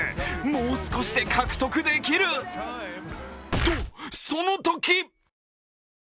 もう少しで獲得できるとそのとき！